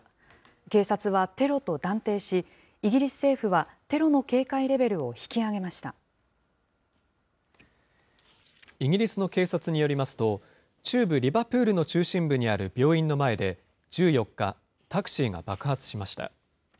警察はテロと断定し、イギリス政府は、テロの警戒レベルを引き上イギリスの警察によりますと、中部リバプールの中心部にある病院の前で、１４日、タクシーが爆発しました。